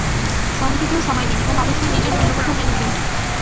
সঙ্গীটিকেও সময় দিন এবং অবশ্যই নিজের মূল্যবোধগুলো মেনে চলুন।